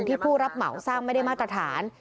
ผู้รับเหมาสร้างไม่ได้มาตรฐาน